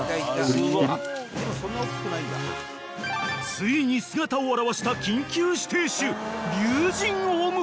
［ついに姿を現した緊急指定種］